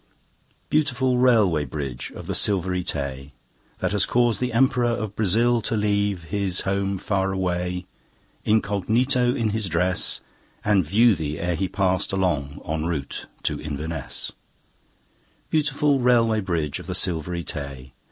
Beautiful Railway Bridge of the Silvery Tay! That has caused the Emperor of Brazil to leave His home far away, incognito in his dress, And view thee ere he passed along en route to Inverness. Beautiful Railway Bridge of the Silvery Tay!